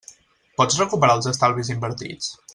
Pots recuperar els estalvis invertits?